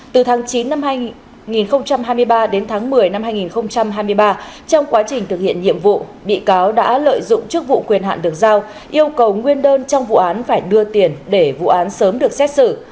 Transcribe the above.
từ tháng chín năm hai nghìn hai mươi ba đến tháng một mươi năm hai nghìn hai mươi ba trong quá trình thực hiện nhiệm vụ bị cáo đã lợi dụng chức vụ quyền hạn được giao yêu cầu nguyên đơn trong vụ án phải đưa tiền để vụ án sớm được xét xử